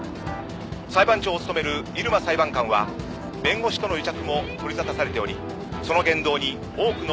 裁判長を務める入間裁判官は弁護士との癒着も取り沙汰されておりその言動に多くの非難の声が上がっています。